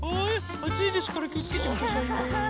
あついですからきをつけてくださいね。